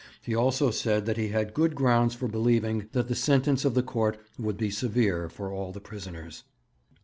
He also said that he had good grounds for believing that the sentence of the court would be severe for all the prisoners.